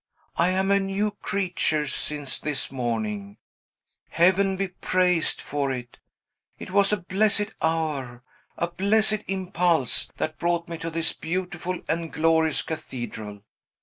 "I am a new creature, since this morning, Heaven be praised for it! It was a blessed hour a blessed impulse that brought me to this beautiful and glorious cathedral.